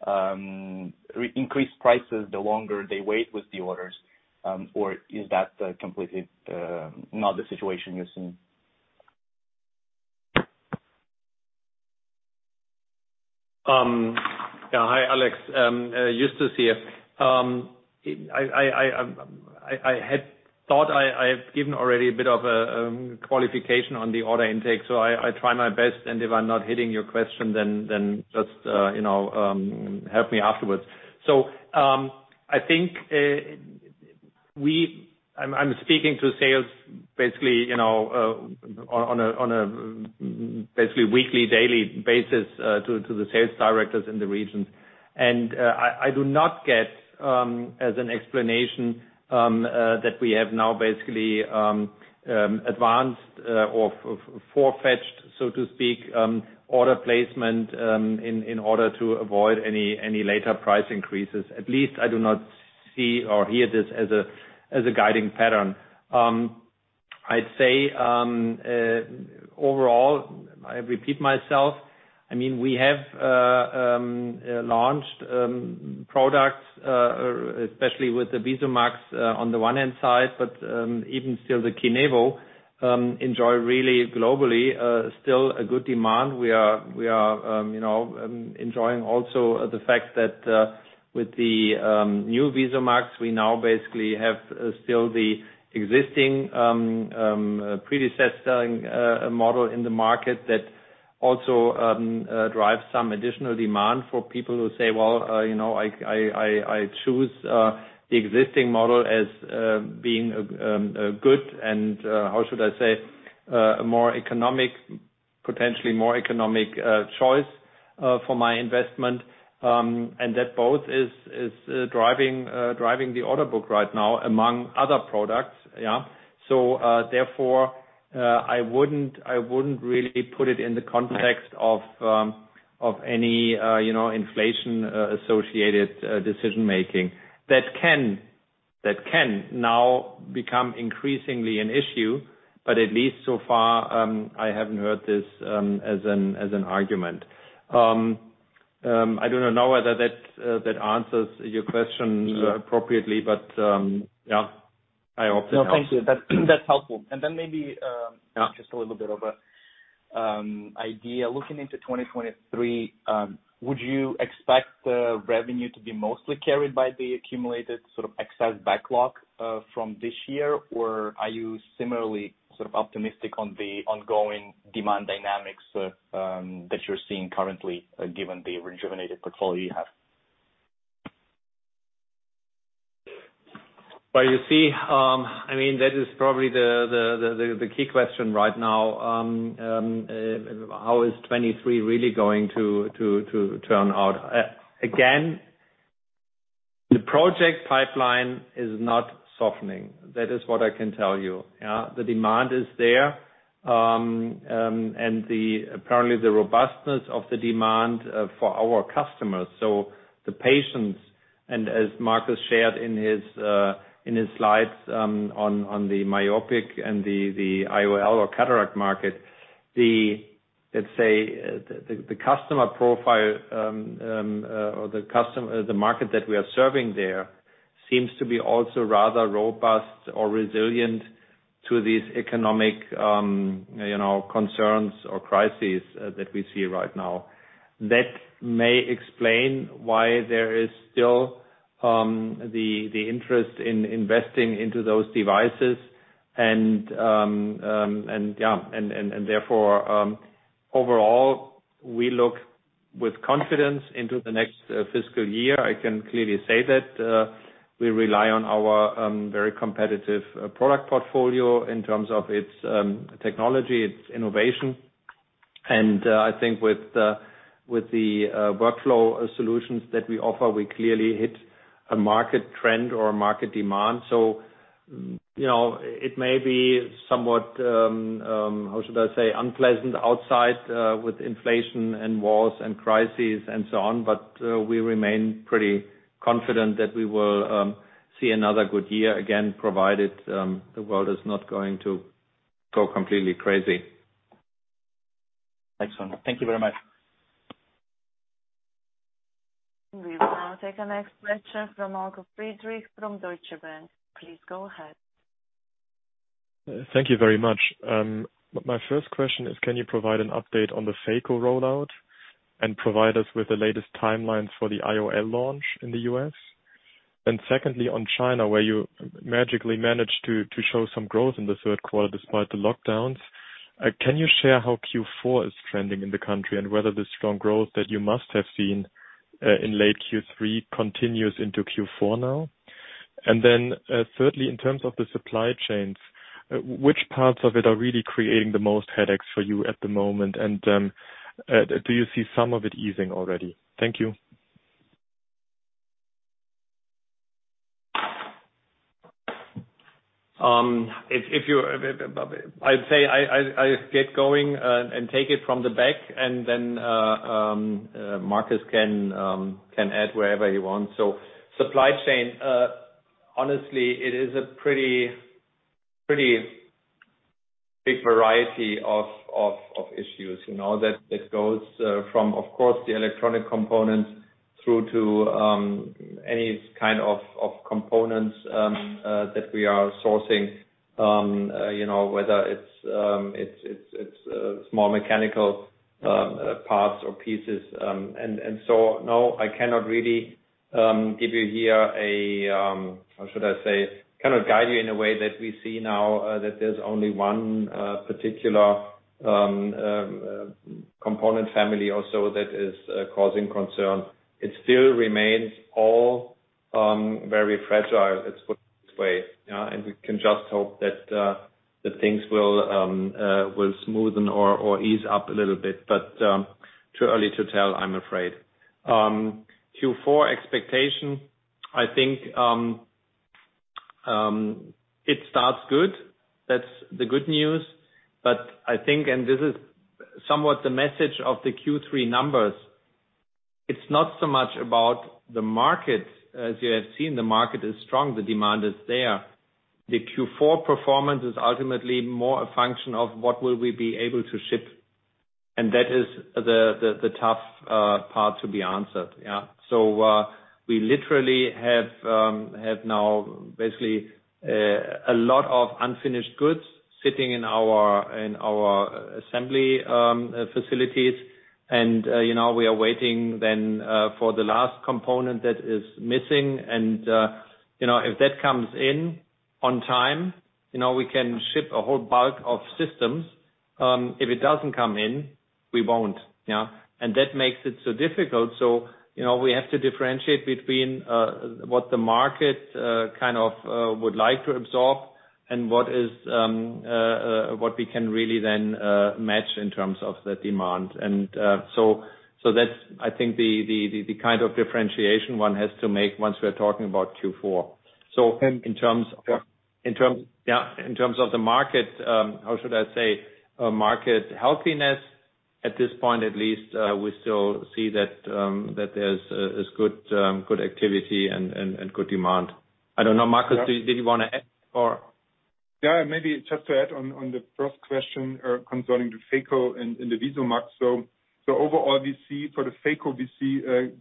re-increase prices the longer they wait with the orders. Or is that completely not the situation you're seeing? Hi, Alex. Justus here. I had thought I have given already a bit of a qualification on the order intake, so I try my best. If I'm not hitting your question then just you know help me afterwards. I think I'm speaking to sales basically you know on a basically weekly daily basis to the sales directors in the regions. I do not get as an explanation that we have now basically advanced or forefetched so to speak order placement in order to avoid any later price increases. At least I do not see or hear this as a guiding pattern. I'd say overall, I repeat myself. I mean, we have launched products especially with the VisuMax on the one hand side, but even still the KINEVO enjoy really globally still a good demand. We are enjoying also the fact that with the new VisuMax, we now basically have still the existing predecessor selling model in the market that also drives some additional demand for people who say, "Well, you know, I choose the existing model as being good and how should I say more economic, potentially more economic choice for my investment." And that both is driving the order book right now among other products. Yeah. I wouldn't really put it in the context of any you know inflation associated decision making. That can now become increasingly an issue. At least so far I haven't heard this as an argument. I don't know whether that answers your question appropriately, but yeah, I hope it helps. No, thank you. That, that's helpful. Yeah. Just a little bit of an idea. Looking into 2023, would you expect the revenue to be mostly carried by the accumulated sort of excess backlog from this year? Or are you similarly sort of optimistic on the ongoing demand dynamics that you're seeing currently given the rejuvenated portfolio you have? Well, you see, I mean, that is probably the key question right now, how is 2023 really going to turn out? Again, the project pipeline is not softening. That is what I can tell you. Yeah. The demand is there, and apparently the robustness of the demand for our customers. So the patients, and as Markus shared in his slides, on the myopia and the IOL or cataract market, let's say, the customer profile, or the market that we are serving there seems to be also rather robust or resilient to these economic, you know, concerns or crises, that we see right now. That may explain why there is still the interest in investing into those devices, and. Therefore, overall, we look with confidence into the next fiscal year. I can clearly say that we rely on our very competitive product portfolio in terms of its technology, its innovation. I think with the workflow solutions that we offer, we clearly hit a market trend or a market demand. You know, it may be somewhat, how should I say, unpleasant outside with inflation and wars and crises and so on, but we remain pretty confident that we will see another good year again, provided the world is not going to go completely crazy. Excellent. Thank you very much. We will now take the next question from Falko Friedrichs from Deutsche Bank. Please go ahead. Thank you very much. My first question is, can you provide an update on the Phaco rollout and provide us with the latest timelines for the IOL launch in the U.S.? Secondly, on China, where you magically managed to show some growth in the third quarter despite the lockdowns, can you share how Q4 is trending in the country, and whether the strong growth that you must have seen in late Q3 continues into Q4 now? Thirdly, in terms of the supply chains, which parts of it are really creating the most headaches for you at the moment? Do you see some of it easing already? Thank you. If you're, I'd say I get going and take it from the back and then Markus can add wherever he wants. Supply chain, honestly, it is a pretty big variety of issues, you know. That goes from, of course, the electronic components through to any kind of components that we are sourcing, you know, whether it's small mechanical parts or pieces. No, I cannot really give you here a, how should I say? Kind of guide you in a way that we see now that there's only one particular component family also that is causing concern. It still remains all very fragile, let's put it this way, and we can just hope that things will smoothen or ease up a little bit. Too early to tell, I'm afraid. Q4 expectation, I think, it starts good. That's the good news. I think, and this is somewhat the message of the Q3 numbers, it's not so much about the market. As you have seen, the market is strong, the demand is there. The Q4 performance is ultimately more a function of what will we be able to ship, and that is the tough part to be answered, yeah. We literally have now basically a lot of unfinished goods sitting in our assembly facilities. You know, we are waiting then for the last component that is missing. You know, if that comes in on time, you know, we can ship a whole bulk of systems. If it doesn't come in, we won't. Yeah. That makes it so difficult. You know, we have to differentiate between what the market kind of would like to absorb and what is what we can really then match in terms of the demand. So that's, I think, the kind of differentiation one has to make once we're talking about Q4. In terms Yeah. In terms of the market healthiness at this point, at least, we still see that there's good activity and good demand. I don't know. Maximilian, did you wanna add or? Yeah. Maybe just to add on the first question, concerning the Phaco and the VisuMax. Overall, we see for the Phaco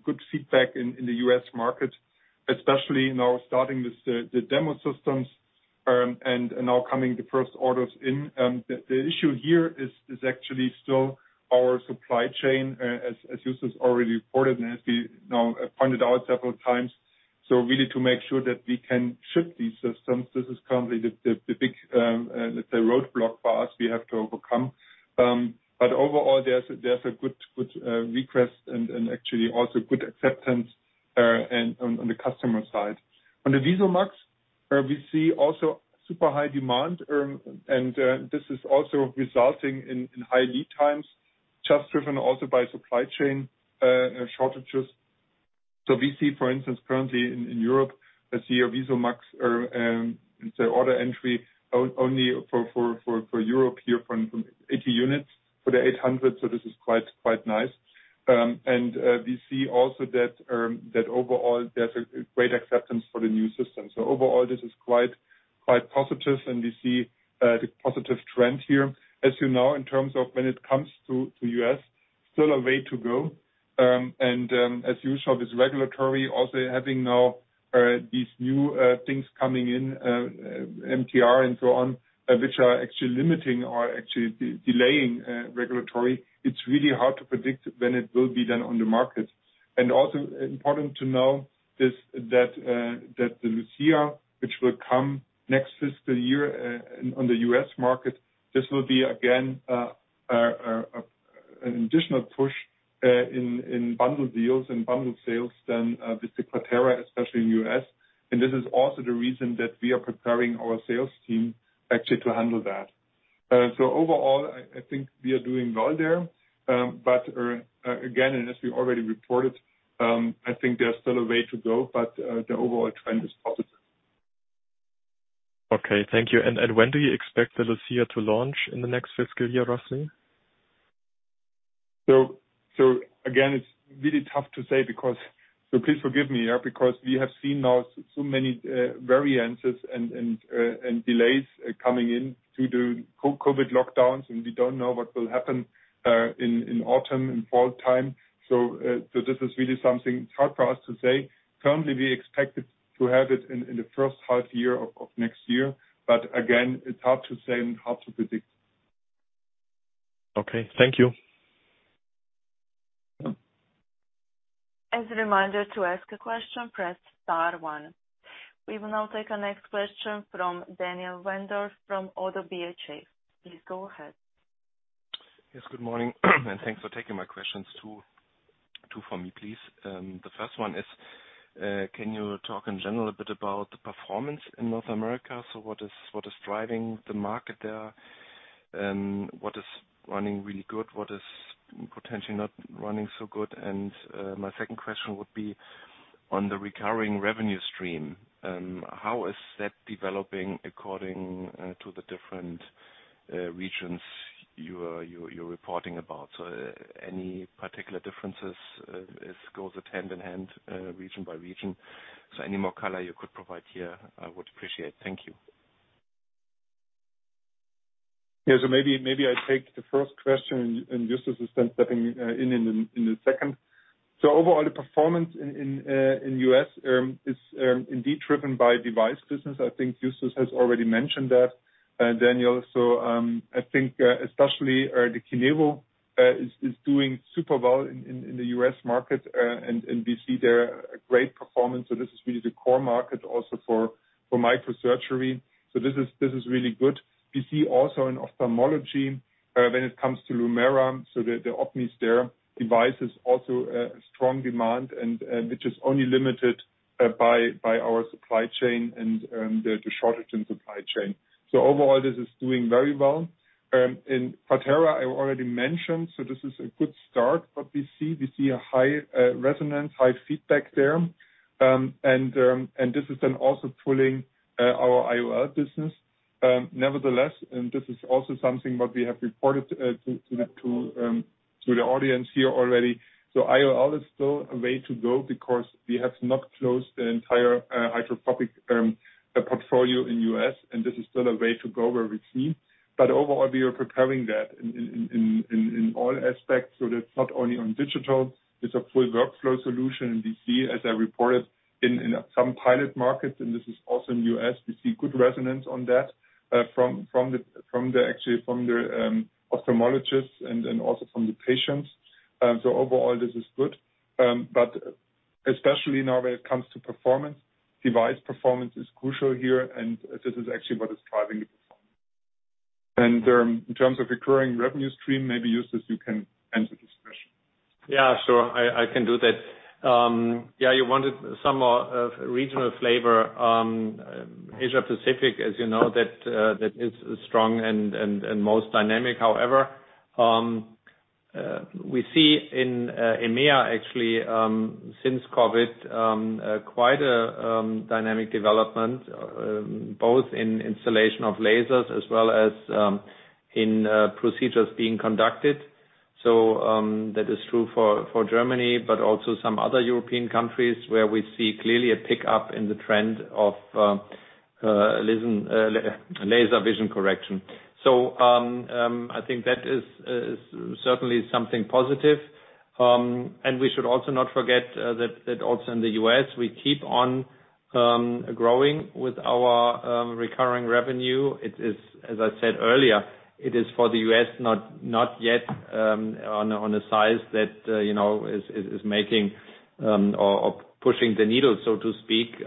good feedback in the U.S. market, especially now starting with the demo systems, and now coming the first orders in. The issue here is actually still our supply chain, as Justus already reported, and as we now pointed out several times. We need to make sure that we can ship these systems. This is currently the big, let's say, roadblock for us we have to overcome. Overall, there's a good request and actually also good acceptance, and on the customer side. On the VisuMax, we see also super high demand, and this is also resulting in high lead times, just driven also by supply chain shortages. We see, for instance, currently in Europe, the VisuMax, so order entry only for Europe here from 80 units for the 800, so this is quite nice. We see also that overall there's a great acceptance for the new system. Overall this is quite positive, and we see the positive trend here. As you know, in terms of when it comes to the U.S., still a way to go, and as you saw, the regulatory also having now these new things coming in, MDR and so on, which are actually limiting or actually delaying regulatory. It's really hard to predict when it will be done on the market. Also important to know is that the LUCIA, which will come next fiscal year, on the U.S. market, this will be again an additional push in bundled deals and bundled sales than with the [CLARUS], especially in U.S. This is also the reason that we are preparing our sales team actually to handle that. Overall, I think we are doing well there. Again, as we already reported, I think there's still a way to go, but the overall trend is positive. Okay, thank you. When do you expect the LUCIA to launch in the next fiscal year, Markus Weber? Again, it's really tough to say because please forgive me, yeah. Because we have seen now so many variances and delays coming in through the COVID lockdowns, and we don't know what will happen in autumn, in fall time. This is really something that's hard for us to say. Currently, we expect it to have it in the first half year of next year. Again, it's hard to say and hard to predict. Okay, thank you. Yeah. As a reminder to ask a question, press star one. We will now take our next question from [Dylan van Haaften] from [Stifel]. Please go ahead. Yes, good morning and thanks for taking my questions. Two for me, please. The first one is, can you talk in general a bit about the performance in North America? What is driving the market there? What is running really good? What is potentially not running so good? My second question would be on the recurring revenue stream. How is that developing according to the different regions you're reporting about? Any particular differences, as it goes hand in hand, region by region? Any more color you could provide here, I would appreciate. Thank you. Yeah. I take the first question and Justus is then stepping in the second. Overall, the performance in U.S. is indeed driven by device business. I think Justus has already mentioned that, Dylan. I think especially the KINEVO is doing super well in the U.S. market and we see there a great performance. This is really the core market also for microsurgery. This is really good. We see also in ophthalmology when it comes to LUMERA, so the OPMI's device is also a strong demand and which is only limited by our supply chain and the shortage in supply chain. Overall, this is doing very well. In [CLARUS], I already mentioned. This is a good start, but we see a high resonance, high feedback there. This is then also pulling our IOL business. Nevertheless, this is also something what we have reported to the audience here already. IOL is still a way to go because we have not closed the entire hydrophobic portfolio in U.S., and this is still a way to go where we've seen. Overall, we are preparing that in all aspects, so that's not only on digital, it's a full workflow solution. We see, as I reported in some pilot markets, and this is also in the U.S., we see good resonance on that from the ophthalmologists and also from the patients. Overall, this is good. Especially now when it comes to performance, device performance is crucial here, and this is actually what is driving the performance. In terms of recurring revenue stream, maybe Justus you can answer this question. Yeah, sure. I can do that. Yeah, you wanted some regional flavor. Asia-Pacific, as you know, that is strong and most dynamic. However, we see in EMEA actually, since COVID, quite a dynamic development, both in installation of lasers as well as in procedures being conducted. That is true for Germany, but also some other European countries where we see clearly a pickup in the trend of laser vision correction. I think that is certainly something positive. We should also not forget that also in the U.S., we keep on growing with our recurring revenue. It is, as I said earlier, it is for the U.S. not yet on a size that you know is making or pushing the needle, so to speak,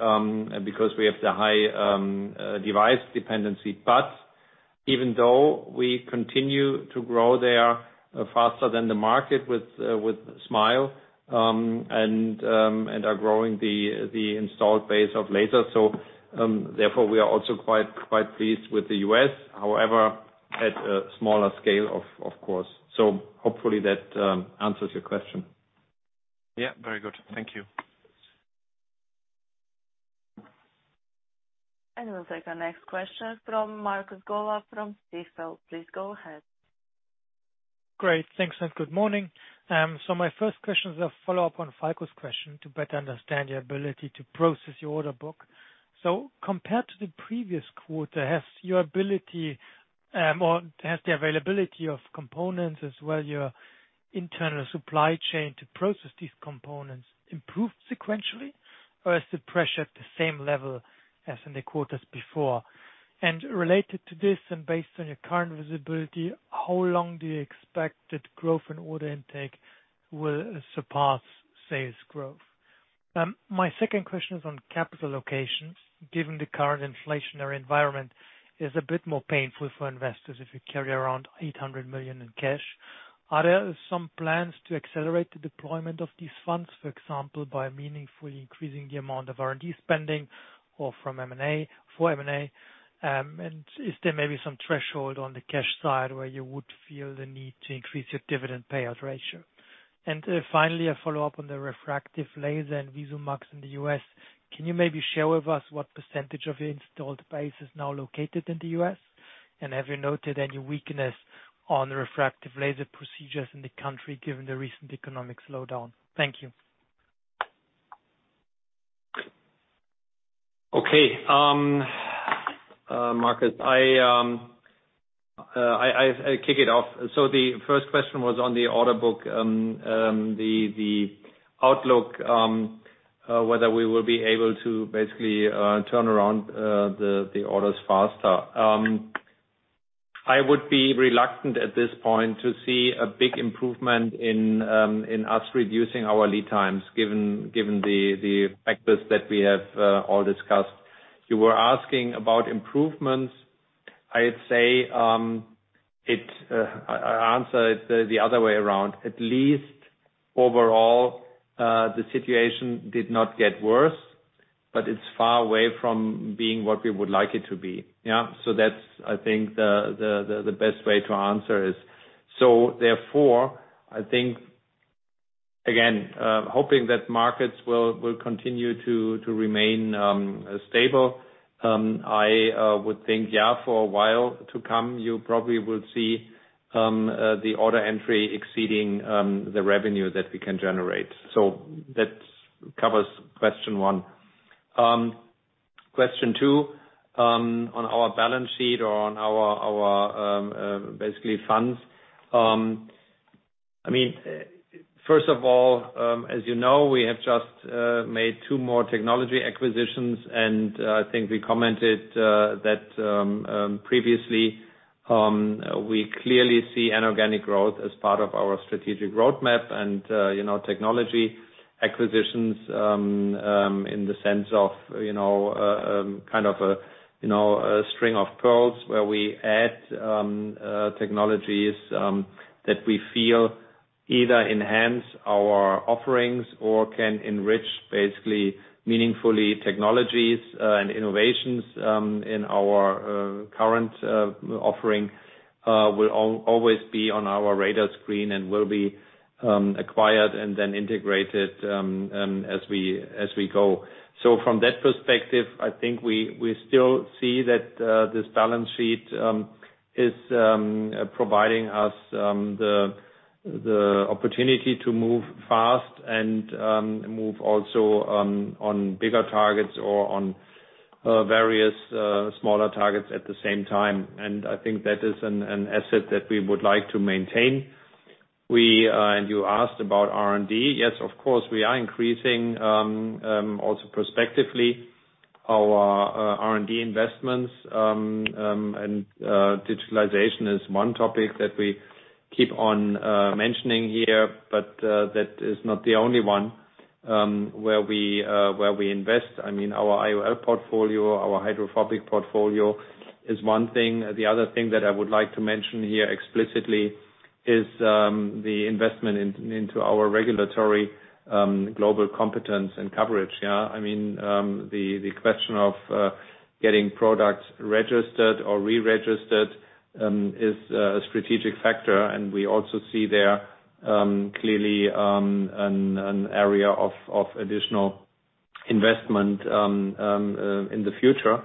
because we have the high device dependency. Even though we continue to grow there faster than the market with SMILE and are growing the installed base of lasers. Therefore, we are also quite pleased with the U.S.. However, at a smaller scale of course. Hopefully that answers your question. Yeah, very good. Thank you. We'll take our next question from [Maximilian Foerst] from [Stifel]. Please go ahead. Great, thanks, and good morning. My first question is a follow-up on Falko's question to better understand your ability to process your order book. Compared to the previous quarter, has your ability, or has the availability of components as well your internal supply chain to process these components improved sequentially? Or is the pressure at the same level as in the quarters before? Related to this and based on your current visibility, how long do you expect that growth and order intake will surpass sales growth? My second question is on capital allocation, given the current inflationary environment is a bit more painful for investors if you carry around 800 million in cash. Are there some plans to accelerate the deployment of these funds, for example, by meaningfully increasing the amount of R&D spending or from M&A? Is there maybe some threshold on the cash side where you would feel the need to increase your dividend payout ratio? Finally, a follow-up on the refractive laser and VisuMax in the U.S. Can you maybe share with us what percentage of your installed base is now located in the U.S.? Have you noted any weakness on the refractive laser procedures in the country given the recent economic slowdown? Thank you. Okay. Maximilian, I kick it off. The first question was on the order book, the outlook, whether we will be able to basically turn around the orders faster. I would be reluctant at this point to see a big improvement in our reducing our lead times, given the factors that we have all discussed. You were asking about improvements. I'd say, I'll answer it the other way around. At least overall, the situation did not get worse, but it's far away from being what we would like it to be, yeah. That's, I think, the best way to answer it. I think, again, hoping that markets will continue to remain stable, I would think, yeah, for a while to come, you probably will see the order entry exceeding the revenue that we can generate. That covers question one. Question two, on our balance sheet or on our basically funds. I mean, first of all, as you know, we have just made two more technology acquisitions, and I think we commented that previously we clearly see an organic growth as part of our strategic roadmap and, you know, technology acquisitions in the sense of, you know, kind of a string of pearls where we add technologies that we feel either enhance our offerings or can enrich basically meaningfully technologies and innovations in our current offering will always be on our radar screen and will be acquired and then integrated as we go. From that perspective, I think we still see that this balance sheet is providing us the opportunity to move fast and move also on bigger targets or on various smaller targets at the same time. I think that is an asset that we would like to maintain. You asked about R&D. Yes, of course, we are increasing also prospectively our R&D investments and digitalization is one topic that we keep on mentioning here, but that is not the only one where we invest. I mean, our IOL portfolio, our hydrophobic portfolio is one thing. The other thing that I would like to mention here explicitly is the investment into our regulatory global competence and coverage. I mean, the question of getting products registered or reregistered is a strategic factor, and we also see there clearly an area of additional investment in the future.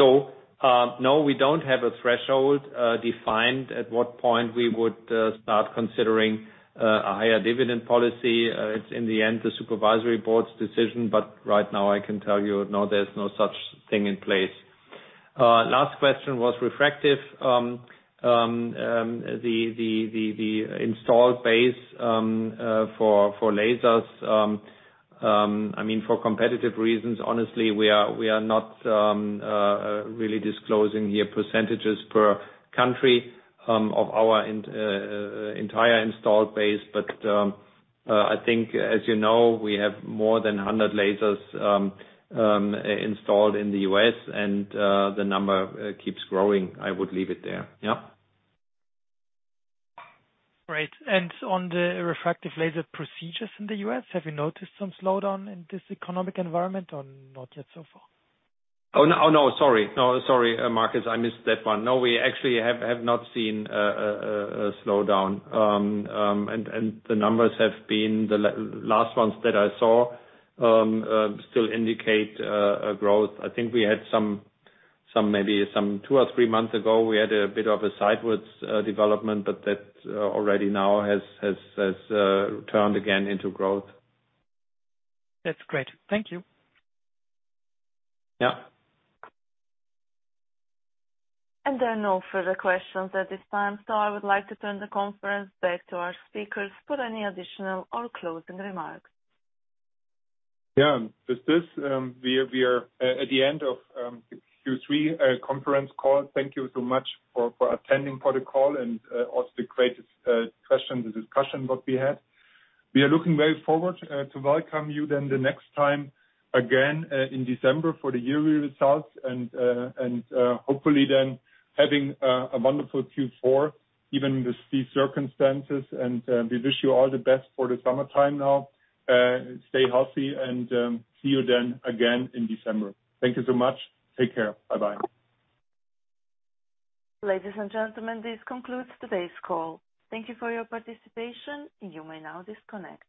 No, we don't have a threshold defined at what point we would start considering a higher dividend policy. It's in the end, the supervisory board's decision, but right now I can tell you, no, there's no such thing in place. Last question was refractive. The installed base for lasers, I mean, for competitive reasons, honestly, we are not really disclosing here percentages per country of our entire installed base. I think as you know, we have more than 100 lasers installed in the U.S. and the number keeps growing. I would leave it there. Yeah. Great. On the refractive laser procedures in the U.S., have you noticed some slowdown in this economic environment or not yet so far? Oh, no. Oh, no. Sorry. No, sorry, Markus, I missed that one. No, we actually have not seen a slowdown. The last ones that I saw still indicate a growth. I think we had some maybe two or three months ago, we had a bit of a sideways development, but that already now has turned again into growth. That's great. Thank you. Yeah. There are no further questions at this time, so I would like to turn the conference back to our speakers for any additional or closing remarks. Yeah. With this, we are at the end of Q3 conference call. Thank you so much for attending the call and also great question, the discussion that we had. We are looking very forward to welcome you then the next time again in December for the yearly results and hopefully then having a wonderful Q4, even with these circumstances. We wish you all the best for the summertime now. Stay healthy and see you then again in December. Thank you so much. Take care. Bye-bye. Ladies and gentlemen, this concludes today's call. Thank you for your participation. You may now disconnect.